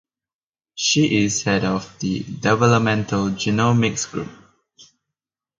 She is head of the developmental genomics group.